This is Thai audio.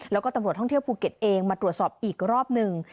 แล้วก็ตำรวจท่องเที่ยวภูเก็ตเองมาตรวจสอบอีกรอบหนึ่ง